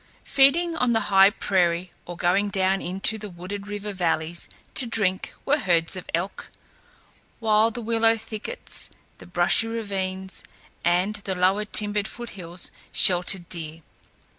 Feeding on the high prairie or going down into the wooded river valleys to drink were herds of elk, while the willow thickets, the brushy ravines, and the lower timbered foot hills sheltered deer.